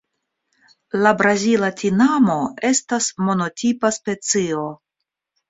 La Brazila tinamo estas monotipa specio.